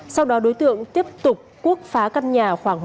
sau đó đối tượng tiếp tục quốc phá căn nhà khoảng một trăm linh m hai